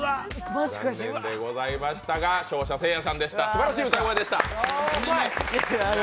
残念でございましたが勝者せいやさんでした、すばらしい歌声でした。